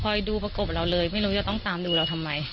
ดูประกบเราเลยไม่รู้จะต้องตามดูเราทำไม